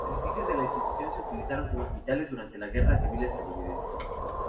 Los edificios de la institución se utilizaron como hospitales durante la guerra civil estadounidense.